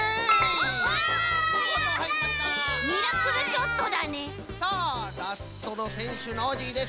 ミラクルショットだね。